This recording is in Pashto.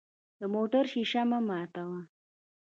د موټر شیشه مه ماتوه.